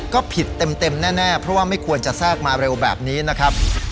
ก็ผิดเต็มแน่เพราะว่าไม่ควรจะแทรกมาเร็วแบบนี้นะครับ